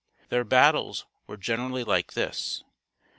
Their battles were generally like this.